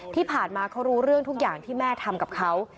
ที่ผ่านมาเขารู้เรื่องทุกอย่างที่แม่ทำกับเขา